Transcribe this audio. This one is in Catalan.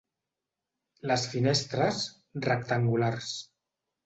Les finestres, rectangulars.